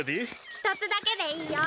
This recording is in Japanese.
１つだけでいいよ。